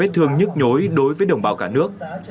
thường nhức nhối đối với đồng bào cả nước